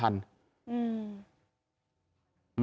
อืม